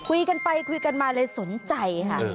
คุยกันไปคุยกันมาเลยสนใจค่ะ